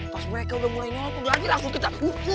pas mereka udah mulai nyolok gue lagi langsung kita